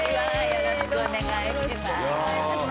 よろしくお願いします。